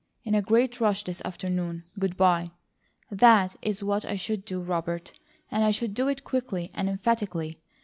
In a great rush this afternoon. Good bye!' THAT is what I should do, Robert, and I should do it quickly, and emphatically.